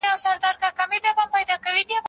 واری د تېراه دی ورپسې مو خیبرونه دي